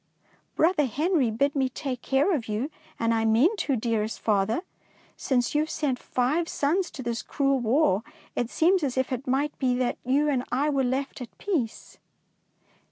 Brother Henry bid me take care of you, and I mean to, dearest father. Since you have sent five sons to this cruel war, it seems as if it might be that you and I were left at peace.